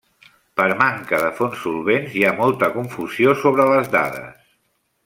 Per manca de fonts solvents hi ha molta confusió sobre les dates.